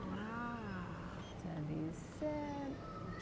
wah jadi set